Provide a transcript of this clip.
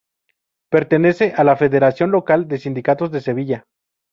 Pertenece a la federación local de sindicatos de Sevilla.